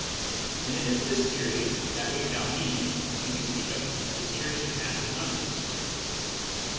and it is this series that we shall mean when we speak of the " series of natural numbers."